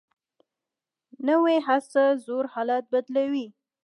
نوې هڅه زوړ حالت بدلوي